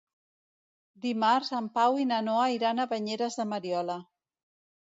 Dimarts en Pau i na Noa iran a Banyeres de Mariola.